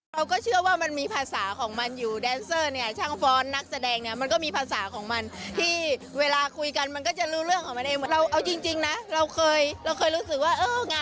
แต่พอไปที่นั่นจริงแล้วมันทำให้เราเห็นคุณค่า